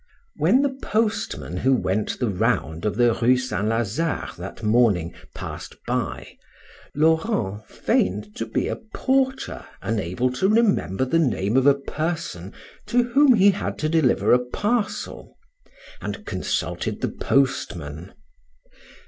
When the postman, who went the round of the Rue Saint Lazare that morning, passed by, Laurent feigned to be a porter unable to remember the name of a person to whom he had to deliver a parcel, and consulted the postman.